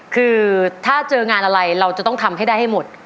คือถ้าเจองานอะไรเราจะต้องทำให้ได้ให้หมด